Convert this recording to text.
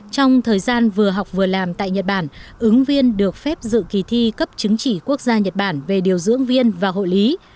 trong thời gian vừa học vừa làm tại nhật bản ứng viên được phép dự kỳ thi cấp chứng chỉ quốc gia nhật bản về điều dưỡng viên và hộ lý